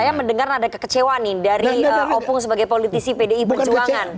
saya mendengar ada kekecewaan nih dari opung sebagai politisi pdi perjuangan